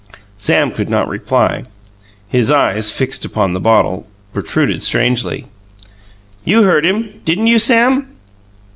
Sam could not reply; his eyes, fixed upon the bottle, protruded strangely. "You heard him didn't you, Sam?"